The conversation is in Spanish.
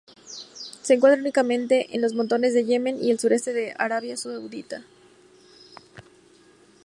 Se encuentra únicamente en los montes de Yemen y el sureste de Arabia Saudita.